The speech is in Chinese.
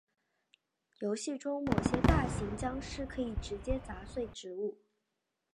游戏中某些大型僵尸可以直接砸碎植物。